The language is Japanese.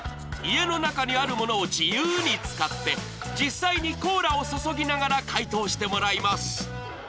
家の中にあるものを自由に使って実際にコーラを注ぎながら解答してもらいます